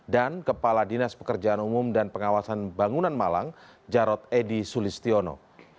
dan kepala dinas pekerjaan umum dan pengawasan bangunan malang jarod edy sulistiono